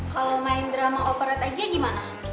kalau main drama operate aja gimana